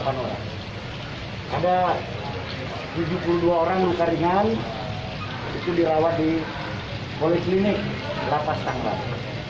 pada saat ini ada tujuh puluh dua orang luka ringan yang dirawat di polis klinik lapas tangerang